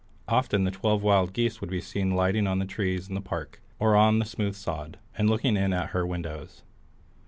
Often the twelve wild geese would be seen lighting on the trees in the park or on the smooth sod, and looking in at her windows.